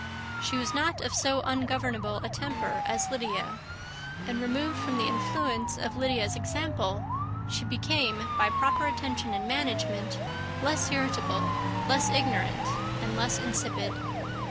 She was not of so ungovernable a temper as Lydia; and, removed from the influence of Lydia's example, she became, by proper attention and management, less irritable, less ignorant, and less insipid.